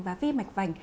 và vi mạch vành